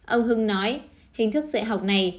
ông hưng nói hình thức dạy học này